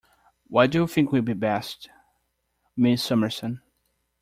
What do you think will be best, Miss Summerson?